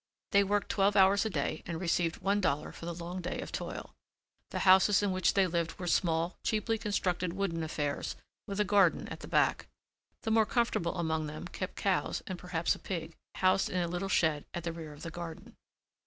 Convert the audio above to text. They worked twelve hours a day and received one dollar for the long day of toil. The houses in which they lived were small cheaply constructed wooden affairs with a garden at the back. The more comfortable among them kept cows and perhaps a pig, housed in a little shed at the rear of the garden.